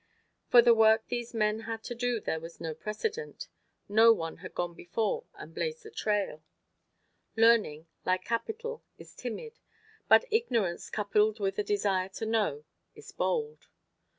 For the work these men had to do there was no precedent: no one had gone before and blazed a trail. Learning, like capital, is timid; but ignorance coupled with a desire to know, is bold.